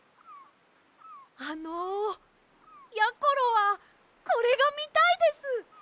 あのやころはこれがみたいです！